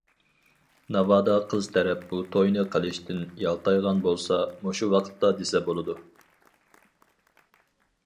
ناۋادا قىز تەرەپ بۇ توينى قىلىشتىن يالتايغان بولسا، مۇشۇ ۋاقىتتا دېسە بولىدۇ.